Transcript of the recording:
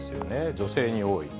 女性に多いと。